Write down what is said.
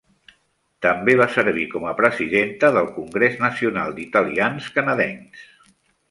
També va servir com a presidenta del Congrés nacional d'italians canadencs.